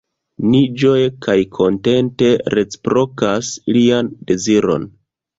Ni ĝoje kaj kontente reciprokas lian deziron.